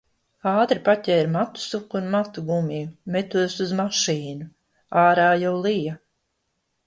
Ātri paķēru matu suku un matu gumiju, metos uz mašīnu. Ārā jau lija.